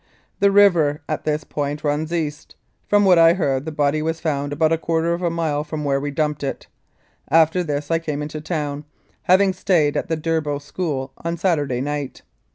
The river at this point runs east. From what I heard the body was found about a quarter of a mile from where we dumped it. After this I came into town, having stayed at the Durbow School on Saturday night.